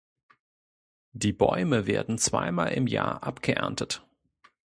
Die Bäume werden zwei Mal im Jahr abgeerntet.